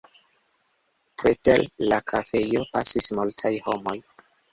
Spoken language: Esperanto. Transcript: Preter la kafejo pasis multaj homoj.